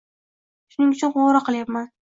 Shuning uchun qo’ng'iroq qilayapman.